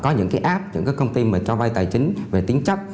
có những cái app những cái công ty mà cho vay tài chính về tính chấp